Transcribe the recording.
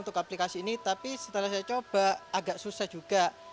untuk aplikasi ini tapi setelah saya coba agak susah juga